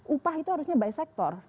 upah itu harusnya by sektor